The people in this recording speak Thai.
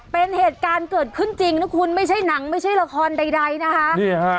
เป็นเหตุการณ์เกิดขึ้นจริงนะคุณไม่ใช่หนังไม่ใช่ละครใดนะคะ